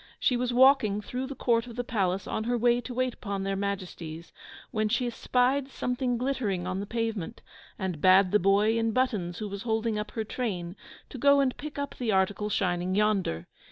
She was walking through the court of the palace on her way to wait upon their Majesties, when she spied something glittering on the pavement, and bade the boy in buttons, who was holding up her train, to go and pick up the article shining yonder.